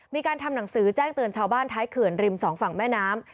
มีการทำหนังสือแจ้งเตือนชาวบ้านท้ายเขื่อนริมสองฝั่งแม่น้ำ